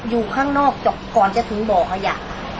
อยู่ข้างนอกก่อนจะถึงบ่อขยะ